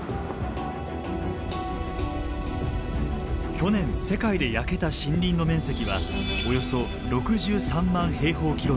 去年世界で焼けた森林の面積はおよそ６３万。